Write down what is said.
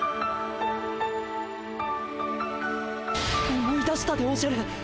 思い出したでおじゃる。